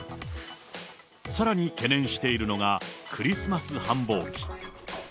さらに懸念しているのが、クリスマス繁忙期。